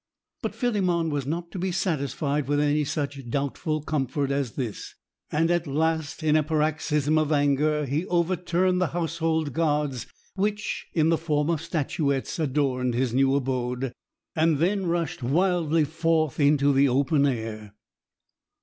But Philemon was not to be satisfied with any such doubtful comfort as this; and at last, in a paroxysm of anger, he overturned the household gods, which, in the form of statuettes, adorned his new abode, and then rushed wildly forth into the open air.